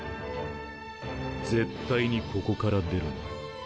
絶対にここから出るな。